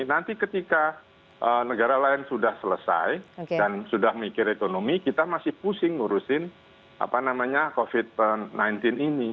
nanti ketika negara lain sudah selesai dan sudah mikir ekonomi kita masih pusing ngurusin covid sembilan belas ini